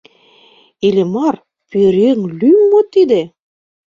Иллимар — пӧръеҥ лӱм мо тиде?